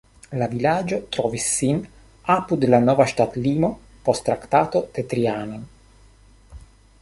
La vilaĝo trovis sin apud la nova ŝtatlimo post Traktato de Trianon.